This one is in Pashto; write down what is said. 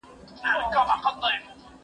زه به سبا سپينکۍ پرېولم،